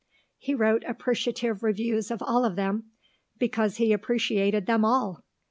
He wrote appreciative reviews of all of them, because he appreciated them all.